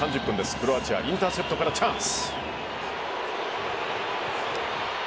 クロアチア、インターセプトからチャンス。